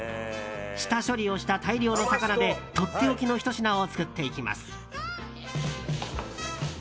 下処理をした大量の魚でとっておきのひと品を作っていきます。